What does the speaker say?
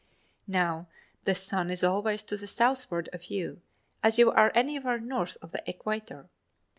Now, the sun is always to the southward of you as you are anywhere north of the equator.